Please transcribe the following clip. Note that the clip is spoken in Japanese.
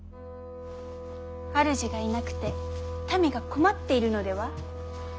主がいなくて民が困っているのでは？